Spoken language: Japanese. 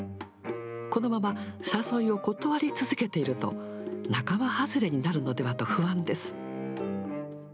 このまま誘いを断り続けていると、仲間外れになるのではと不安です。